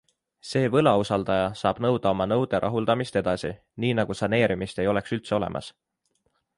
See võlausaldaja saab nõuda oma nõude rahuldamist edasi, nii nagu saneerimist ei oleks üldse olemas.